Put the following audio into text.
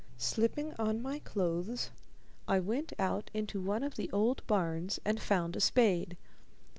Slipping on my clothes, I went out into one of the old barns and found a spade.